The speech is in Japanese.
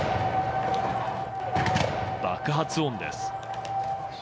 爆発音です。